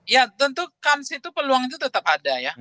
ya tentu kans itu peluang itu tetap ada ya